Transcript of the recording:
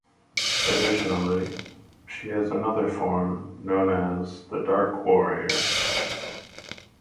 Additionally, she has another form known as the Dark Warrior.